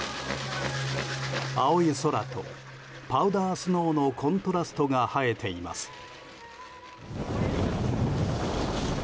青い空とパウダースノーのコントラストが映えています。